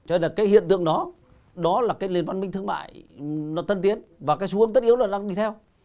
cho nên là cái hiện tượng đó đó là cái nền văn minh thương mại nó tân tiến và cái xu hướng tất yếu nó đang đi theo